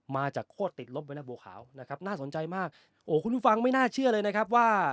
มาจากโคตรติดลบไว้นะบัวขาวนะครับน่าสนใจมากโอ้คุณผู้ฟังไม่น่าเชื่อเลยนะครับว่า